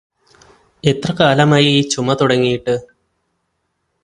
എത്ര കാലമായി ഈ ചുമ തുടങ്ങിയിട്ട്